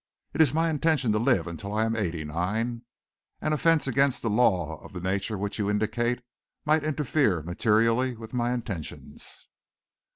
It is my intention to live until I am eighty nine. An offence against the law of the nature you indicate might interfere materially with my intentions."